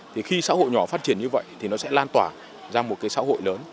thì khi xã hội nhỏ phát triển như vậy thì nó sẽ lan tỏa ra một cái xã hội lớn